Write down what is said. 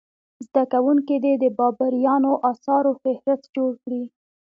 زده کوونکي دې د بابریانو اثارو فهرست جوړ کړي.